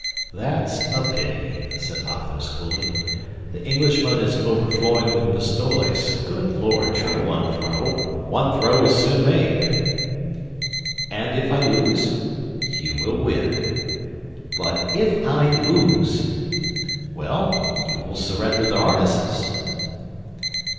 "That's a pity," said Athos, coolly. "The Englishman is overflowing with pistoles. Good Lord, try one throw! One throw is soon made!" "And if I lose?" "You will win." "But if I lose?" "Well, you will surrender the harnesses."